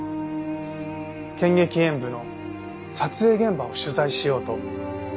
『剣戟炎武』の撮影現場を取材しようと。